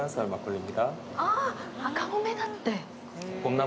あ、赤米だって。